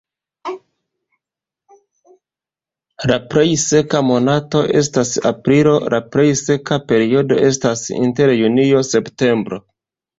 La plej malseka monato estas aprilo, la plej seka periodo estas inter junio-septembro.